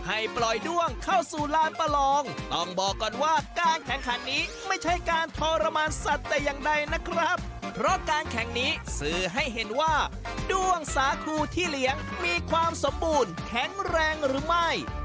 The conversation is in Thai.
ให้ปล่อยด้วงเข้าสู่ลานประลองต้องบอกก่อนว่าการแข่งขันนี้ไม่ใช่การทรมานสัตว์แต่อย่างใดนะครับเพราะการแข่งนี้สื่อให้เห็นว่าด้วงสาคูที่เลี้ยงมีความสมบูรณ์แข็งแรงหรือไม่